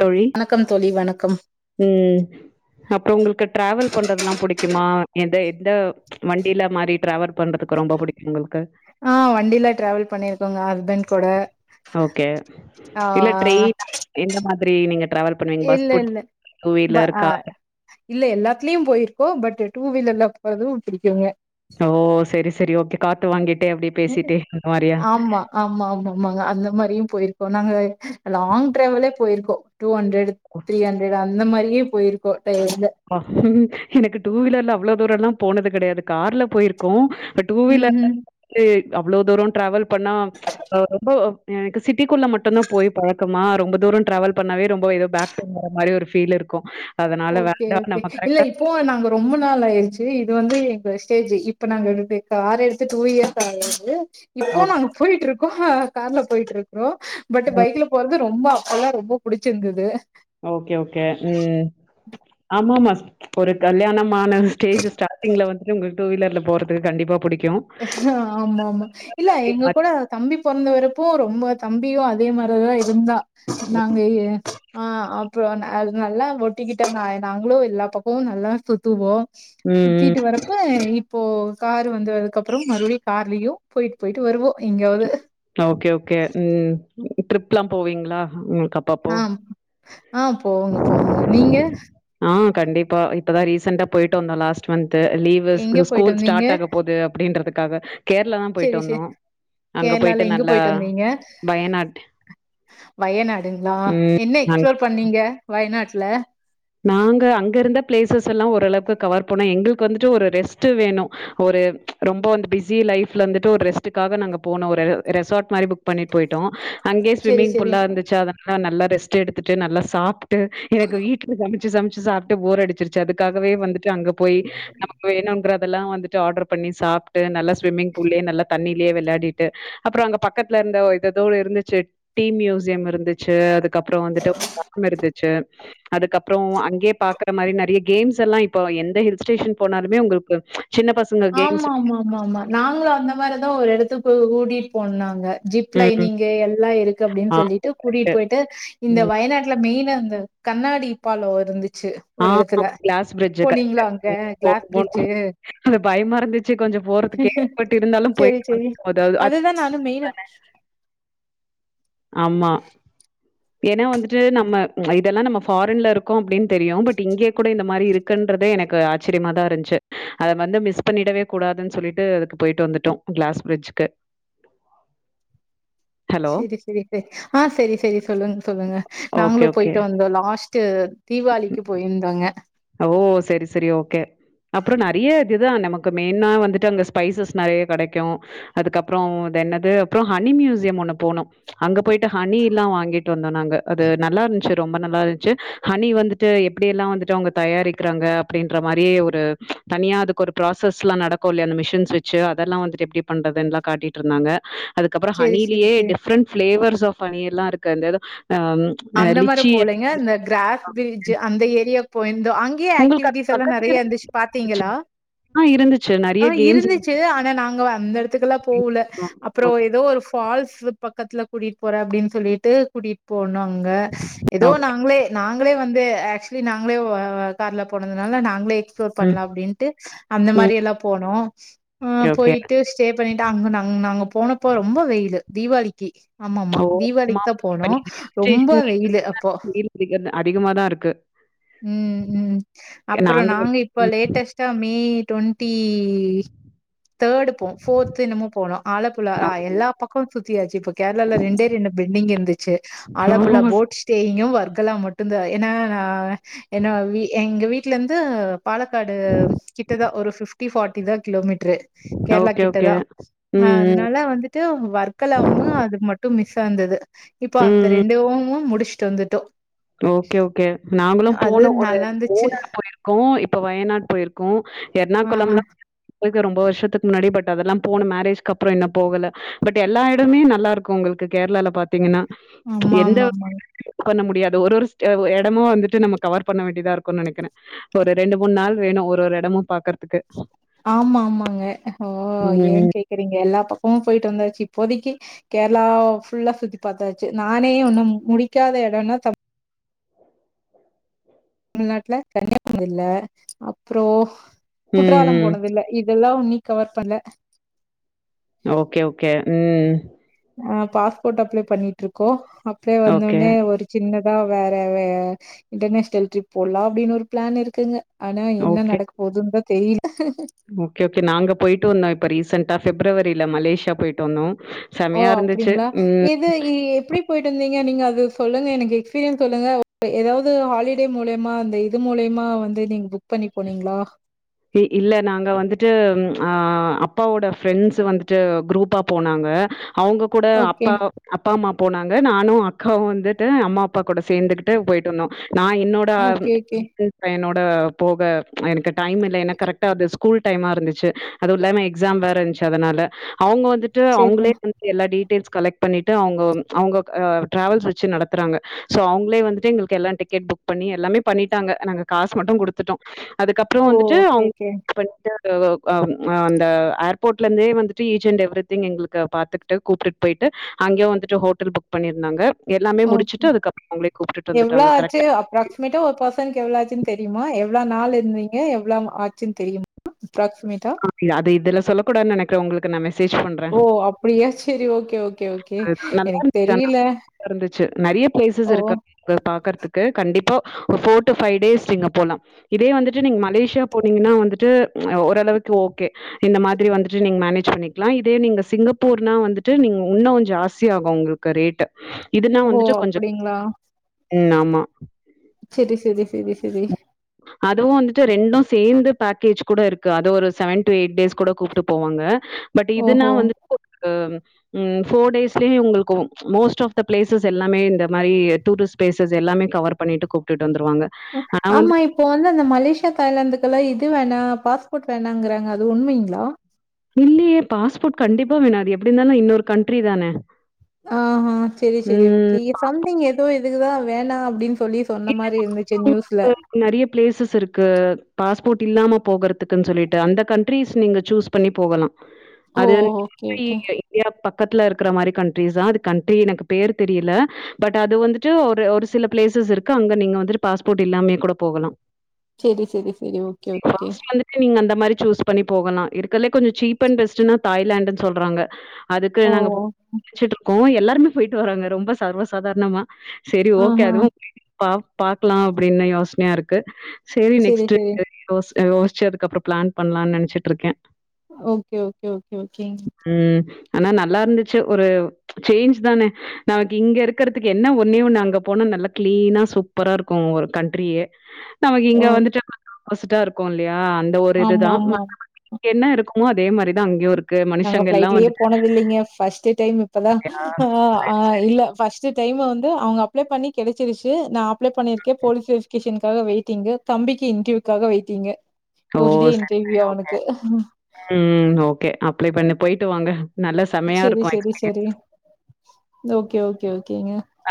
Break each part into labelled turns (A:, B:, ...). A: தொழி
B: வணக்கம் தோழி வணக்கம்
A: உ அப்றோ உங்களுக்கு ட்ராவல் பண்றதுல்லா பிடிக் க்குமா எந்தே இந்த வண்டில மாறி டிராவல் பண்றதுக்கு ரொம்ப பிடிக்கும்ங்க
B: ஆ வண்டியில டிராவல் பண்ணிருக்கோங்க ஹஸ்பண்ட் கூட
A: ஓகே
B: ஆ
A: சரி நீங்க டிராவல் பண்ணுவீங்க பஸ்
B: இல்ல
A: புடி
B: இல்ல
A: டூ
B: ப
A: வீலர் கார்
B: இல்ல எல்லாத்துலயு போயிருக்கோ பட் டூ வீலர்ல வறத பிடிக்குங்க
A: ஓ சரி சரி ஓகே காத்து வாங்கிட்
B: ஆமா ஆமா ஆமா ஆமாங்க அந்த மாரியும் போயிருக்கோம் நாங்க லாங் டிராவலே போயிருக்கோம் டூ ஹ்ண்ரட் த்ரி ஹண்ரட் அந்த மாரி யே போயிருக்கோம்
A: ஆஹ் உம் எனக்கு டூ வீலர்ல அவ்ளோ தூரம் எல்லாம் போனது கெடையாது கார்ல போயிருக்கோம் பட் டூ
B: ம்
A: வீலர்ல
B: ம்
A: வந்து அவ்ளோ தூரம் டிராவல் பண்ணா ஒ ரொம்போ எனக்கு சிட்டிக்குள்ள மட்டுந்தான் போய் பழக்கமா ரொம்ப தூரம் டிராவல் பண்ணாவே ரொம்ப எதோ பேக் பெயின் வர மாரி ஒரு ஃபீல்லு இருக்கும் அதனால வே
B: சரி ஓகே இல்ல இப்போவு நாங்க ரொம்ப நாள் ஆயிடுச்சி இது வந்து எங்க ஸ்டேஜி இப்ப நாங்க எங்களுடைய கார் எடுத்து டூ இயர்ஸ் ஆகுது இப்போ
A: ஓகே.
B: நாங்க போயிட்டு இருக்கோம் ஆ கார்ல போயிட்டு இருக்கறோம் பட்
A: ம்.
B: பைக்ல போறது ரொம்ப அப்பல்லாம் ரொம்ப புடிச்சிருந்தது
A: ஓகே ஓகே ம் ஆமா ஆமா ஒரு கல்யாணம் மான ஸ்டேஜி ஸ்டார்டிங்ல வந்துட்டு உங்களுக் டூவீலர்ல போறதுக்கு கண்டிப்பா புடி
B: ஆமா ஆமா இல்ல எங்க கூட தம்பி பொறந்த வரப்ப ரொம்போ தம்பியும் அதே மாரிதான் இருந்தான்
A: ம்,
B: நாங்க எ ஆ அப்புறம் ந நல்லா ஒட்டிக்கிட்ட நா நாங்களும் எல்லா பக்கமும் நல்லா சுத்துவோம்
A: ம்.
B: சுத்திட்டு வரப்ப இப்போ காரு வந்ததுக்கப் புறம் மறுபடியும் கார்லயும் போயிட்டு போயிட்டு வருவோம் எங்கியாவது
A: ஓகே ஓகே ம் ட்ரிப்லாம் போவீங்களா ம்
B: ஆம் ஆ போவங்க போவங்க நீங்க
A: ஆ கண்டிப்பா இப்பதா ரீசெண்டா போயிட்டு வந்தோ லாஸ்ட் மந்த் து லீவு ஸ்கூ
B: எங்க போயிட்டு
A: ஸ்கூல் ஸ்டார்ட் ஆக போது அப்டின்றதுக் க்காக
B: சேரி சே கேர்ளால எங்க போயிட்டு வந்தீங்க
A: வயநாட்
B: வயநாடுங்களா
A: ம்
B: என்ன
A: அங்க
B: எக்ஸ்புளோர் பண்ணீங்க வயநாட்டுல
A: நாங்க அங்க இருந்த பிளேசஸ் எல்லா ஓரளவுக்கு கவர் பண்ணோ எங்களுக்கு வந்துட்டு ஒரு ரெஸ்ட்டு வேணு ஒரு ரொம்ப வந்து பிஸி லைஃப்ல இருந்துட்டு ஒரு ரெஸ்ட்டுக்காக நாங்க போனோ ஒரரு ரெசார்ட் மாரி ஃபுக் பண்ணிட் போயிட்டோ அங்கயே
B: சரி
A: ஸ்விம்மிங்
B: சரி
A: பூல்லா இருந்துச்சா அதனால நல்லா ரெஸ் ரெஸ்ட் எடுத்துட்டு நல்லா சாப்புட்டு எனக்கு வீ ட்ல சமச்சு சமச்சு சாப்டு போர் அடுச்சுருச்சு அதுக்காகவே வந்துட் டு அங்க போய் நமக்கு வேணுங்கறது தெல்லா வந்துட்டு ஆர்டர் பண்ணி சாப் டு நல்லா சுவிமிங் பூல்லயே நல்லா தண்ணி லயே வெளையாடிட்டு அப்புறோ அங்க பக்கத்துல இருந்த இததோடு இருந்துச்சு டீ மியூசியம் இருந்துச்சு அதுக் அதுக்கப்புறோ வந்துட்டு பக்கம் இருந்துச்சு அதுக்கப்புறோ அங்கயே பாக்குற மாரி நறையா கேம்ஸ் எல்லா இப்ப எந்த ஹில் ஸ்டேஷன் போனாலுமே உங்களுக்கு சின்ன பசங்க கேம்ஸ்
B: ஆமா ஆமா ஆமா ஆமா நாங்களு அந்த மாரிதா ஒரு எடத்துக் கு கூட்டிட் போனாங்க ஜிப்
A: ம்.
B: லைனிங்கு எல்லா இருக்கு அப்டின்
A: ஆ
B: சொல்லிட்டு
A: கரெக்ட்டு.
B: கூட்டிட் போயிட்டு இந்த
A: ம்.
B: வயநாட்டுல மெயின்னா அந்த கண்ணாடி பாலோ இருந்துச் சு
A: ஆ
B: ஒரு எடத்துல
A: கிளாஸ் பிரிட்ஜ் கரெக்ட்டு.
B: போனீங்களா அங்க
A: ம். போணும்
B: கிளாஸ்
A: போணும்.
B: பிரிஜ்ஜு
A: அது பயமா இருந்துச்சு கொஞ்சோ போறதுக்கே பட் இருந்தாலும்
B: சரி
A: போயிட்டு
B: சரி
A: வந்து [inaudible]
B: அதுதான் நானும் மெயினா
A: ஆமா ஏனா வந்துட்டு நம்ம இதெல்லா நம்ம ஃபாரின்ல இருக்கோ அப்டின் தெரியு பட் இங்கேயே கூட இந்த மாரி இருக்குன்றதே எனக்கு ஆச்சரியமாதா இருஞ்சு அத வந்து மிஸ் பண்ணிடவே கூடாதுன் சொல்லிட்டு அதுக்கு போயிட்டு வந்துட்டோ கிளாஸ் பிரிட்ஜுக்கு
B: சேரி சேரி சே ஆ சேரி சேரி சொல்லுங் சொல்லுங்க
A: ஓகே,
B: நாங்களு
A: ஓகே.
B: போயிட்டு வந்தோ லாஸ் டு தீபாவளிக்கு போயிருந்தாங்க
A: ஓ சேரி சேரி ஓகே அப்புறோ நறையா இதுதா நமக்கு மெயினா வந்துட்டு அங்க ஸ்பைசஸ் நறையா கெடைக்கு அதுக்கப்புறோ இதென்னது அப்புறோ ஹனி மியூசியம் ஒண்ணு போனோ அங்க போயிட்டு ஹனி எல்லா வாங்கிட் டு வந்தோ நாங்க அது நல்லா இருஞ்சு ரொம்ப நல்லா இரு ச்சு ஹனி வந்துட்டு எப்டி எல்லா வந்துட்டு அவங்கத் தயாரிக்கிறாங்க அப்டின்ற மாரியே ஒரு தனியா அதுக்கு ஒரு ப்ராசஸ் எல்லா நடக்கு இல்லைய அந்த மிஷின்ஸ்வச்சு அதெல்லா வந்துட்டு எப்டி பண்றதுன் எல்லா காட்டிட்டு இருந்தாங்க அதுக்கப்றோ
B: சரி சரி
A: ஹனிலேயே
B: சரி.
A: டிஃப்ரெண்ட் பிளேவர்ஸ் பனி எல்லா இருக்கு அந்தது
B: அந்த மாரி போலங்க இந்த கிராஸ் பிரிட்ஜ் அந்த ஏரியா போயி அங்கேயே
A: உங்களுக்கு அது
B: ஆக்டிவிட்டிஸ் எல்லா நெறயா
A: பக்கத்துலயே
B: இருந்துச்சு பாத்தீங்களா
A: ஆ இருந்துச்சு.
B: ஆ
A: நெறைய கேம்ஸ்
B: இருந்துச்சு ஆனா நாங்க அந்த இடத்து க்கலா போல அப்றோ
A: ஓகே,
B: ஏதோ ஒரு ஃபால்ஸ் பக்கத்ல கூட்டிட்டு போறே அப்டின்னு சொல்லிட்டு கூட்டிட்டு போனோ ங்க ஏதோ
A: ஓகே.
B: நாங்களே நாங்க இவுங்களே வந்து ஆக்சுவலி நாங்களே கார்ல போனதுனால நாங்களே ப்ளோர்
A: ம்,
B: பண்ணலா அப்டின்ட்டு அந்த
A: ம்.
B: மாரி எல்லா போனோ
A: ஓகே, ஓகே.
B: போயிட்டு ஸ்டே பண்ணிட்டு அங்க நாங்க போனப்போ ரொம்ப வெயிலு தீபாளிக்கு ஆமா ஆமா
A: ஓ! ஆமா.
B: தீபாளிக்கு தா
A: இப்ப
B: போனோ
A: நீங்க ஹில்
B: ரொம்ப
A: ஸ்டேஷன்
B: வெயிலு அப்போ
A: வெயில் அடிக்கிறது அதிகமா தான் இருக்கு.
B: உம் உம் அப்றோ நாங்க இப்ப லேட்டஸ்டா மி May twenty hmm third fourth என்னமோ போனோ ஆலப்புல
A: ஓகே.
B: எல்லா பக்கமு சுத்தியாச்சு இப்ப கேரளல ரெண்டே ரெண்டு பென்டிங் இருந்துச்சு
A: ஓ!
B: ஆழப்புலா போட் ஸ்டேயிங்க் வர்க்கலா மட்டுந்தா ஏனா எங்க வீட்ல இருந்து பாலக்காடு கிட்டதா ஒரு ஃபிப்டி ஃபாட்டி தா கிலோமீட்டர் கேரளா
A: ஓகே, ஓகே.
B: கிட்டதா
A: ம், ம்.
B: அதனால வந்துட்டு வர்க்கலமு அது மட்டும் மிஸ் தந்தது இப்போ அந்த
A: ம், ம்.
B: ஜோமு முடிச்சுட்டு வந்துட்டோ
A: ஓகே ஓகே நாங்களு
B: அது
A: போனோ ஒரு
B: நல்லா இருந்துச்சு
A: மூணார் போயிருக்கோ இப்ப வயநாடு போயிருக்கோ எர்ணாகுளம்
B: ஆஹா
A: எல்லா போ ரொம்ப வருஷத்துக்கு முன்னாடி பட் அதெல்லா போன மேரேஜ்க்கு அப்றோ இன்னு போகல பட் எல்லா இடமே நல்லா இருக்கு உங்களுக்கு கேரளால பாத்தீங்கனா
B: ஆமா ஆமா ஆமா
A: பண்ண முடியாது ஒரு ஒரு எடமு வந்துட்டு நம்ம கவர் பண்ண வேண்டியதா இருக்கும்னு நெனக்குறே ஒரு ரெண்டு மூனு நாள் வேணும் ஒரு ஒரு எடமு பாக்குறதுக்கு
B: ஆமா ஆமாங்க ஓ ஏ
A: ம்
B: கேக்குறீங்க எல்லா பக்க ன் போயிட்டு வந்தாச்சு இப்போதைக்கு கேரளா ஃபுல்லா சுத்தி பாத்தாச்சு நானே ஒன்னு முடிக்காத இடம்னா தமிழ்நாட்டுல கன்னியாகுமரி இல்ல அப்புறோ
A: ம்
B: குற்றாலம்
A: ம்
B: போனது இல்ல இப் இதெல்லா உனி கவர் பண்ணல
A: ஓகே ஓகே ம்
B: ஆ பாஸ்போர்ட் அப்ளே பண்ணிட்டு இருக்கோ அப்பிடியே
A: ஓகே
B: வந்தோனே ஒரு சின்ன தா வேற வே இன்டர்நேஷனல் ட்டிரிப் போலா அப்பிடின் ஒரு பிளான் இருக்குங்க ஆனா என்ன
A: ஓகே
B: நடக்க போதுதா தேயில்
A: ஓகே ஓகே நாங்க போயிட்டு வந்தோ இப்ப ரீசண்டா பிப்ரவரியில மலேஷியா போயிட்டு வந்தோ
B: ஓ
A: செமையா இருந்துச்சு
B: அப்பிடிங்களா
A: ம்
B: எது எப்பிடி போயிட்டு இருந்திங் கி நீங்க அது சொல்லுங்க எனக்கு எஸ்பீரியன் சொல்லுங்க ஏதாவது ஹாலிடே மூலியமா அந்த இது மூலியமா வந்து நீங்க புக் பண்ணி போனீங்களா
A: இ இல்ல நாங்க வந்துட்டு ஆ அப்பாவோட ஃப்ரெண்ட்ஸ் வந்துட்டு குரூப்பா போனாங்க அவுங்க கூட
B: ஓகே.
A: அப்பா அப்பா அம்மா போனாங்க நானு அக்காவு வந்துட்டு அம்மா அப்பா கூட சேர்ந்துக்கிட்டு போயிட்டுந்தோ நா என்னோட
B: ஓகே, ஓகே.
A: ஃப் பையனோ ஆ போக எனக்கு டைம் இல் இல்ல ஏன்னா கரெக்டா அது ஸ்கூல் டைமா இருந்துச்சி அது இல்லாம எக்ஸாம் வேற இருந்துச்சி அதனால அவுங்க வந்துட்டு
B: சரி.
A: அவுங்களே வந்துட்டு எல்லா டி டெல்ஸ் கலெக்ட் பண்ணிட்டு அவுங்க அவுங்க ஆ டிராவல்ஸ் வச்சி நடத்துறாங்க சோ அவுங்களே வந்துட்டு எங்களுக்கு எல்லா டிக்கெட் புக் பண்ணி எல்லாமே பண்ணிட்டாங்க நாங்க காசு மட்டு குடுத்துட்டோ அதுக்கப்புறோ
B: ஓ!
A: வந்து ட்டு
B: ஓகே,
A: அவுங்க
B: ஓகே.
A: பண்ட்டு [unintelligible] அந்த ஏர்போர்ட்ல இந்தே வந்துட்டு ஈச் அண்ட் எவ்ரி திங் எங்களுக்கு பாத்துக்கிட்டு கூப்பிட்டு போயிட்டு அங்கியு வந்துட்டு ஹோட்டல் புக் பண்ணியிருந்தாங்க எல்லாமே
B: ஓகே
A: முடிச்சுட்டு அதுக்கப்புறம் அவங்களே கூப்ட்டுட்டு
B: எவ்ளோ
A: வந்துட்டாங்க கரெக்ட்
B: ஆச்சி அப்ராக்சிமேட்டா ஒரு பர்சனுக்கு எவ்ளோ ஆச்சின் தெரியுமா எவ்ளா நாள் இருந்தீங்க எவ்வளா ஆச்சின்னு தெரியுமா அப்ராக்ஸிமேட்டா?
A: ஆ அது இதொல்ல சொல்லக்கூடானு நெக்கிறே உங்களுக் க்கு நாமே சேஜ் பண்றே
B: ஓ! அப்டியா? சரி. Okay, okay, okay.
A: நல்லா
B: எனக்கு
A: இருந்துச்சி ஆனா
B: தெரியல.
A: இருந்துச்சி நெறைய பிளேஸஸ்
B: ஓ!
A: இருக்கு அங்க பாக்க த்துக்கு கண்டிப்பா ஒரு ஃபோர்டு ஃபை டேஸ் நீங்க போலா இதே வந்துட்டு நீங்க மலேசியா போனீங்கன்னா வந்துட்டு ஓரளவுக் ஓகே இந்த மாதிரி வந்துட்டு நீங்க மேனேஜ் பண்ணிக்லாம் இதே நீங்க சிங்கப்பூர்னா வந்துட்டு நீங்க இன்னு ஜாஸ்தி ஆகும் ஒங்களுக்கு ரேட்டு இதுன்னா
B: ஓ!
A: வந்துட்டு கொஞ்ச
B: அப்டிங்களா?
A: ம் ஆமா
B: செரி சரி சரி சரி
A: அதுவு வந்துட்டு ரெண்டும் சேந்து பேக்கேஜ் கூட இருக்கு அது ஒரு செவன் டு எயிட் டேஸ் கூட கூப்டு போவாங்க பட் இதுனா
B: ஓஹோ!
A: வந்துட்டு கு ம் போர் டேஸ்ல ஒங்களுக்கு மோஸ்ட் ஆப் த பிளேசஸ் எல்லாமே இந்த மாரி டூரிஸ்ட் பிளேஸ் எல்லாமே கவர் பண்ணிட்டு கூப்புட்டுட் வந்துருவாங்க ஆனா வந்து
B: இப்ப வந்து அந்த மலேசியா தாய்லாந்து குல்லா இது வேணா பாஸ்போர்ட் வேணாங்றாங்க அது உண்மைங்ளா
A: இல்லயே பாஸ்போர்ட் கண்டிப்பா வேணும் அது எப்டி இருந்தாலு இன்னொரு கண்ட்ரி தானே
B: ஆ சேரி சேரி
A: ம்
B: ஓகே சம்திங் ஏதோ இதுக்குதா வேணா அப்டின்
A: இல்ல [unintelligible] நெறைய பிளேசஸ் இருக்கு பாஸ் போட் இல்லாம போகறதுக்குன் சொல்லிட்டு அந்த கண்ட்ரிஸ் நீங்க சூஸ் பண்ணி போகலாம்
B: ஓ!
A: அது வந்து
B: ஓகே, ஓகே.
A: இந்தியா ப பக்கத்துல இருக்கற மாரி கண்ட்ரிஸ் தான் அது கண்ட்ரி எனக்கு பேர் தெரியல பட் அது வந்துட்டு ஒரு ஒரு சில பிளேசஸ் இருக் க அங்க நீங்க வந்துட்டு பாஸ்போர்ட் இல்லாமயே கூட போகலாம்
B: செரி செரி செரி ஓகே ஓகே
A: ஃபர்ஸ்ட் வந்துட்டு நீங்க அந்த மாரி சூஸ் பண்ணி போகலாம் இருக்கலே கொஞ்ச சீப் அண்ட் பெஸ்ட்டுன்னா தாய்லாண்ட்னு சொல்றாங்க அதுக்கு
B: ஓ!
A: நாங்க போச்சுட்டு இருக்கோம் எல்லா டுனு போயிட்டு வராங்க ரொம்ப சர்வ சாதாரணமா செரி ஓகே
B: ஆஹா.
A: அதுவும் பா பாக்கலாம் அப்டின்னு யோசனையா இருக்கு செரி
B: சரி,
A: நெக்ஸ்ட்
B: சரி.
A: வீக்ரி ரோஸ் யோசிச்சு அதுக்கப்ற பிளான் பண்ணலான் நெனைச்சிட்டு இருக்கேன்
B: ஓகே ஓகே ஓகே ஓகே
A: ம். ஆனா நல்லாருந்துச்சு ஒரு சேஞ்ச் தானே நமக்கு இங்க இருக்கறதுக்கு என்ன ஒன்னே ஒண்ணு அங்க போனா நல்லா கிளீனா சூப்பராருக்கும் ஒரு கண்ட்ரியே நமக்கு
B: ஓ!
A: இங்க வந்துட்டு வந்தோம் ஒஸ்டா இருக்கோம் இல்லயா ஆ அந்த ஒரு இதுதான்
B: ஆமாமா.
A: மத்தபடி இங்க என்ன இருக்குமோ அதே மாரிதான் அங்கேயும் இருக்
B: நாங்க பிளைட்லேயே போனது இல்லிங்க பஸ்ட் டைம் இப்பதா
A: இல்லையா?
B: ஆ ஆ
A: சரி, சரி.
B: இல்ல பஸ்ட் டைம் வந் து அவுங்க அப்ளே பண்ணி கெடைச்சிருச்சு நா அப்ளை பண்ணிருக்கே போலீஸ் வெரிஃபிகேஷன்காக வேய்டிங் தம்பிக்கு இன்டர்வியூக்காக வேய்டிங்கு
A: ஓ!
B: டூஸ்டே
A: சரி, சரி.
B: Interview
A: okay.
B: அவுனுக்கு
A: ப்ளே பண்ணி போயிட்டு வாங்க நல்லா செமையா இருக்கு
B: சரி, சரி.
A: எக்ஸ்பிரியன்ஸ்
B: ஓகே ஓகே ஓ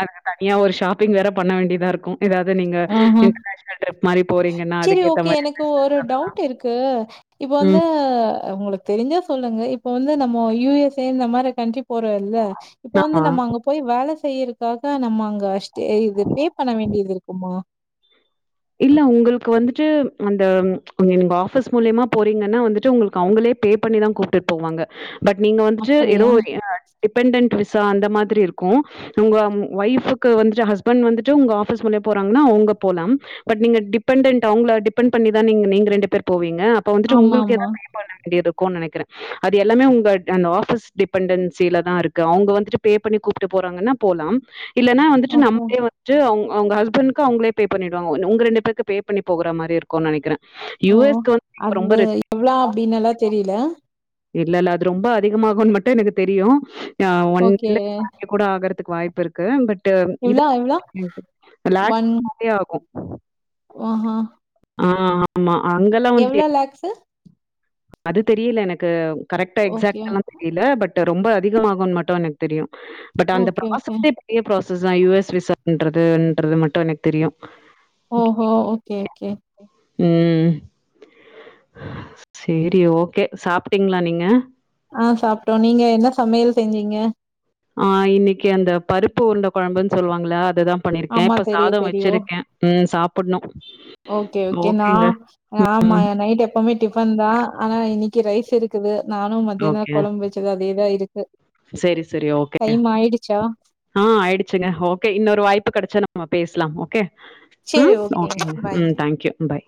A: அங்க தனியா ஒரு ஷாப்பிங் வேற பண்ண வேண்டி இதா இருக்கு
B: ஆஹ்
A: போறீங்கன்னா,
B: சேரி
A: அதுக்கேத்த
B: ஓகே
A: மாரி
B: எனக்கு
A: ட்ரெஸ்
B: ஒரு டவுட் இருக்கு இப்ப வந்து
A: ம்.
B: உங்களுக் தெரிஞ்சா சொல்லுங்க இப்ப வந்து நம்ம யுஎஸ் ஏ இந்த மாரி கண்ட்ரி போற இல்ல இப்ப வந்து
A: ஆமா.
B: நம்ம அங்க போய் வேல செய்யறக்காக நம்ம அங்க அஷ் டே இது பேபண்ண வேண்டியது இருக் ஒ
A: இல்ல உங்களுக்கு வந்துட்டு அந்த நீங்க ஆபீஸ் மூலியமா போறீங்கன்னா வந்துட்டு உங்களுக்கு அவுங்களே பேபண்ணிதா கூப்பிட்டு போவாங்க பட் நீங்க வந்துட்டு ஏதோ
B: அப்படியா?
A: எ டிபன்டன் விஸ் சோ அந்த மாதிரி இருக்கு உங்க ஒய்ஃபுக்கு வந்துட்டு ஹஸ்பண்ட் வந்துட்டு உங்க ஆபிஸ் மூலிய போறாங்கன்னா அவுங்க போலாம் பட் நீங்க டிபெண்டட் அவுங்கள டிபெண்ட் பண்ணி தா நீங் நீங்க ரெண்டு பேர் போவீங் க அப்ப வந்துட்டு உங்களுக்கு
B: ஆமாமா.
A: எதா பே பண்ண வேண்டி இருக்குங்க க்கு நெனைக்கிறே அது எல்லாமே உங்க அந்த ஆஃபீஸ் டிபெண்டன்சிலதா இருக்கு அவுங்க வந்துட்டு பேபண்ணி கூப்ட்டு போறாங்கன்னா போலா இல்லன்னா வந்துட்டு
B: ஓஹோ!
A: நம்மளே வந்துட்டு அவுங் அவுங்க ஹஸ்பண்ட்க்கு அவுங்களே பேபண்ணிடுவாங் ஒ உங்க ரெண்டு பேருக்கு பேபண்ணி போகற மாரி இருக்கு நெனைக்குறே
B: ஓ அது எவ்ளோ அப்பிடின்னுல்லா தெரில
A: இல்ல இல்ல அது ரொம்ப அதிகமாகுன்னு மட்டு எனக்கு தெரியு ஆ ஒன்
B: ஓகே.
A: [unintelligible] கூட ஆகறது த்துக்கு வாய்ப்பு இருக்கு பட் ட்டு இது
B: எவ்ளோ எவ்ளோ?
A: வந்துட்டு லேக்ஸ் கூட ஆகு
B: ஆஹா.
A: ஆ ஆமா அங்கலாம் வந்து
B: எவ்ளோ லேக்ஸு
A: அது தெரியல எனக் க்க கரெக்டா
B: ஓகே.
A: எக்ஸாக்டா எல்லா தெரியல பட் ரொம்ப அதிகமாகுன்னு மட்டு எனக்கு தெரியு. பட் அந்த
B: ஓகே, ஓகே.
A: ப்ராசஸே பெரிய ப்ரா சஸா யு எஸ் விசான்றது ன்றது மட்டு எனக்கு தெரியு.
B: ஓஹோ ஓகே ஓகே
A: ம் சேரி ஓகே சாப் ட்டீங்களா நீங்க?
B: ஆ சாப்ட்டோ நீங்க என்ன சமையல் செஞ்சீங்க?
A: ஆ இன்னக்கி அந்த பருப்பு உருண்ட கொழம்புன்னு சொல்வாங்கல்ல அ
B: ஆமா தெரியு தெரியு
A: ம் சாப்பிடணும்.
B: ஓகே ஓகே நா
A: ஓகேங்க.
B: ஆமா நைட் எப்பமே டிஃபன்தா ஆனா இன்னி க்கி ரைஸ் இருக்குது. நானு மத்தியானோ கொழம்பு வெச்சது அதேதா இரு
A: செரி செரி ஓகேங்க
B: ஆயிடுச்சா?
A: ஆ ஆயிடுச்சுங்க ஓகே இன்னொரு வாய் ப்பு கெடச்சா நம்ம பேசலா ஓகே
B: சரி
A: ம் ஓகேங்க
B: பாய்.
A: ம் தேங்க்யூ ம் பாய்